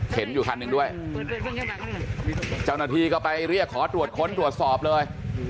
เห็นอยู่คันหนึ่งด้วยเจ้าหน้าที่ก็ไปเรียกขอตรวจค้นตรวจสอบเลย